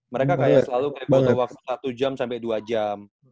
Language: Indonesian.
mereka kayak selalu repot waktu satu jam sampai dua jam